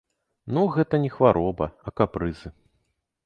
Ну, гэта не хвароба, а капрызы.